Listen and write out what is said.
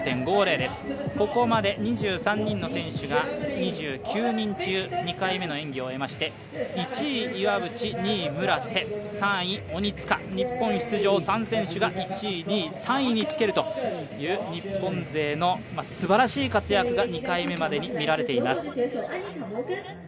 ここまで２３人の選手が２９人中、２回目の演技を終えまして１位、岩渕、２位、村瀬３位鬼塚、日本出場３選手が１位、２位、３位につけるという日本勢のすばらしい活躍が２回目までに見られています。